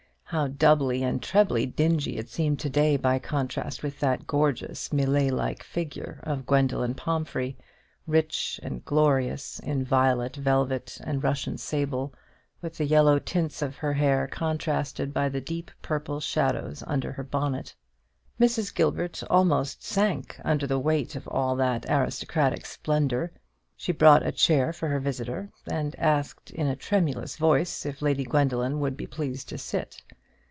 how doubly and trebly dingy it seemed to day by contrast with that gorgeous Millais like figure of Gwendoline Pomphrey, rich and glorious in violet velvet and Russian sable, with the yellow tints of her hair contrasted by the deep purple shadows under her bonnet. Mrs. Gilbert almost sank under the weight of all that aristocratic splendour. She brought a chair for her visitor, and asked in a tremulous voice if Lady Gwendoline would be pleased to sit.